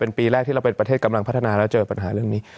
เป็นปีแรกที่เราเป็นประเทศกำลังพัฒนาแล้วเจอปัญหาเรื่องนี้